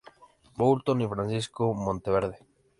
Boulton y Francisco Monteverde.